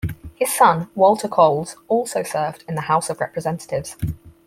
His son, Walter Coles, also served in the House of Representatives.